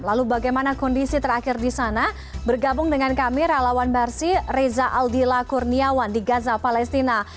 lalu bagaimana kondisi terakhir di sana bergabung dengan kami relawan barsi reza aldila kurniawan di gaza palestina